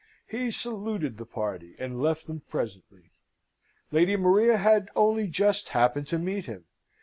He saluted the party, and left them presently. Lady Maria had only just happened to meet him.